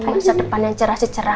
masa depannya cerah secerah